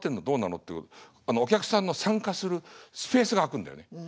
どうなの？」ってお客さんの参加するスペースが空くんだよね。